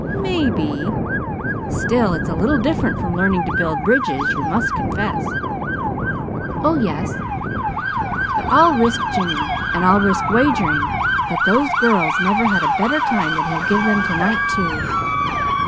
"Maybe. Still, it's a little different from learning to build bridges, you must confess." "Oh, yes." "But I'll risk Jimmy, and I'll risk wagering that those girls never had a better time than he'll give them to night, too."